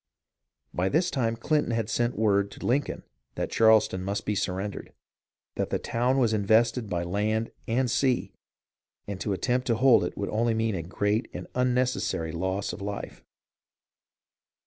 By this time Clinton had sent word to Lincoln that Charleston must be surrendered, that the town was invested by land and sea, and to attempt to hold it would mean only a great and unnecessary loss of life.